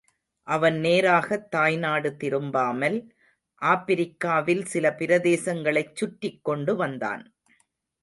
அவன் நேராகத் தாய்நாடு திரும்பாமல், ஆப்பிரிக்காவில் சில பிரதேசங்களைச் சுற்றிக் கொண்டு வந்தான்.